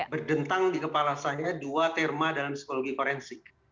berdentang di kepala saya dua terma dalam psikologi forensik